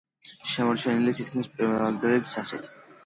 შემორჩენილია თითქმის პირვანდელი სახით.